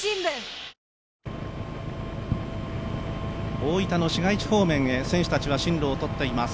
大分の市街地方面へ選手たちは進路をとっています。